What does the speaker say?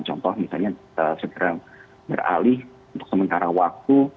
contoh misalnya segera beralih untuk sementara waktu